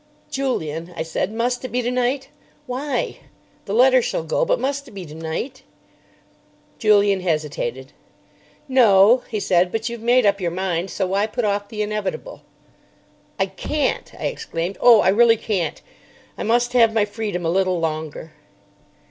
"Julian," I said, "must it be tonight? Why? The letter shall go. But must it be tonight?" Julian hesitated. "No," he said; "but you've made up your mind, so why put off the inevitable?" "I can't," I exclaimed; "oh, I really can't. I must have my freedom a little longer."